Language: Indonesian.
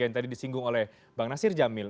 yang tadi disinggung oleh bang nasir jamil